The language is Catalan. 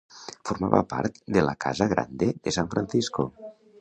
Formava part de la Casa Grande de San Francisco.